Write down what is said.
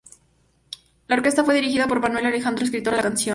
La orquesta fue dirigida por Manuel Alejandro, escritor de la canción.